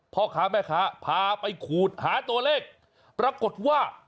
พ่อค้าแม่ค้าพาไปขูดหาตัวเลขปรากฏว่า